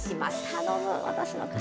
頼む、私の傘。